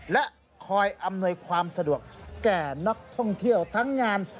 และคอยอำนวยความสะดวกแก่นักท่องเที่ยวทั้งงาน